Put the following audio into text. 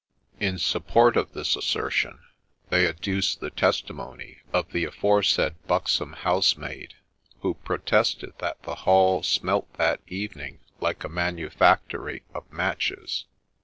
In support of this assertion, they adduce the testimony of the aforesaid buxom housemaid, who protested that the Hall smelt that evening like a manufactory of matches.